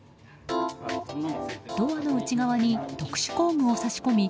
ドアの内側に特殊工具を挿し込み